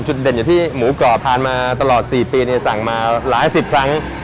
จุดเด่นอยู่ที่หมูก่อผ่านมาตลอด๔ปีสั่งมาหลายสิบครั้ง